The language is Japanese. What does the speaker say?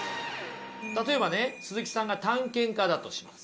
例えばね鈴木さんが探検家だとします。